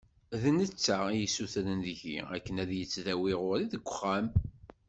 D netta i d-yessutren deg-i akken ad yettdawi ɣur-i deg uxxam.